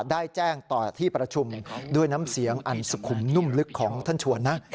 ได้แจ้งต่อที่ประชุมด้วยน้ำเสียงอันสุขุมนุ่มลึกของท่านชวนนะ